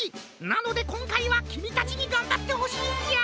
なのでこんかいはきみたちにがんばってほしいんじゃ！